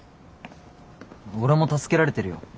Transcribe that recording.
俺も助けられてるよ。